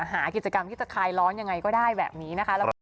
หากิจกรรมที่จะคลายร้อนยังไงก็ได้แบบนี้นะคะ